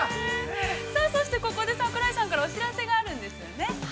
◆さあそしてここで桜井さんからお知らせがあるんですよね。